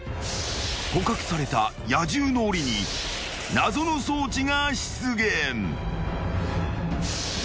［捕獲された野獣のおりに謎の装置が出現］